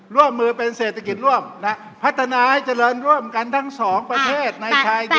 ร่วมมือเป็นเศรษฐกิตรร่วมนะพัฒนาให้เจริญร่วมกันทั้ง๒ประเทศในชายละอีก